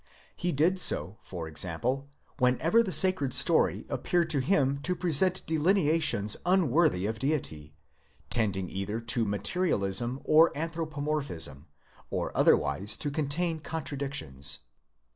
He did so, for example, whenever the sacred story appeared to him to present delineations unworthy of Deity, tending either to materialism or anthropomorphism, or otherwise to contain contradictions.?